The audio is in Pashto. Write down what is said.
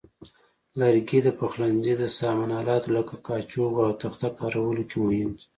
لرګي د پخلنځي د سامان آلاتو لکه کاشوغو او تخته کارولو کې مهم دي.